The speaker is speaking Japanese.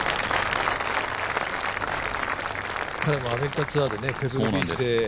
彼もアメリカツアーでね。